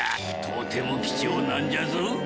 とても貴重なんじゃぞ。